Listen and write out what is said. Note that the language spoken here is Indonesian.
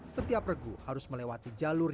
setiap regu harus melewati jalur